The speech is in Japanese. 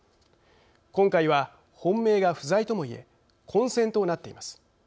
今回は、本命が不在とも言え混戦となっています。